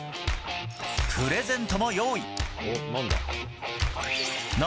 プレゼントも用意。